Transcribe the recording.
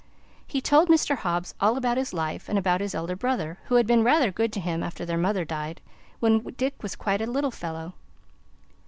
He told Mr. Hobbs all about his life and about his elder brother, who had been rather good to him after their mother died, when Dick was quite a little fellow.